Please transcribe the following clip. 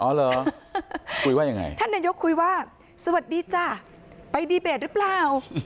เหรอคุยว่ายังไงท่านนายกคุยว่าสวัสดีจ้ะไปดีเบตหรือเปล่า